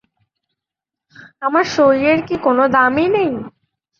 আমার সইয়ের কি কোনো দামই নেই?